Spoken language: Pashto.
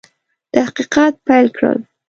تحقیقات پیل کړل.